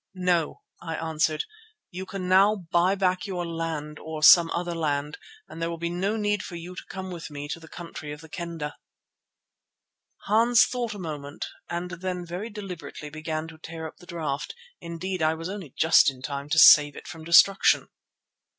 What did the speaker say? "No," I answered, "you can now buy your land back, or some other land, and there will be no need for you to come with me to the country of the Kendah." Hans thought a moment and then very deliberately began to tear up the draft; indeed I was only just in time to save it from destruction.